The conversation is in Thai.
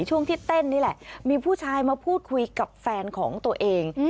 ช่วงที่เต้นนี่แหละมีผู้ชายมาพูดคุยกับแฟนของตัวเอง